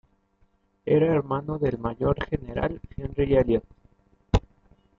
Era hermano del mayor general Henry Elliot.